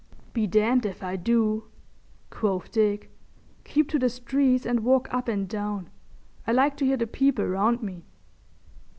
"Be damned if I do," quoth Dick. "Keep to the streets and walk up and down. I like to hear the people round me."